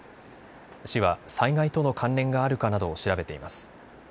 市は災害との関連があるかなどを調べています。